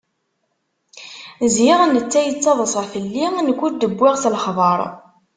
Ziɣ netta yattaḍṣa fell-i, nekk ur d-wwiɣ s lexbar.